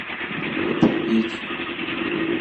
آٺي ڀيهچ.